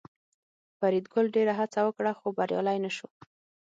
فریدګل ډېره هڅه وکړه خو بریالی نشو